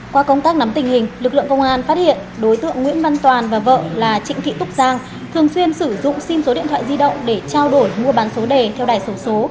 qua công tác nắm tình hình lực lượng công an phát hiện đối tượng nguyễn văn toàn và vợ là trịnh thị túc giang thường xuyên sử dụng xin số điện thoại di động để trao đổi mua bán số đề theo đài số số